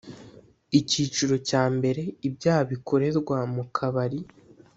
icyiciro cya mbere ibyaha bikorerwa mukabari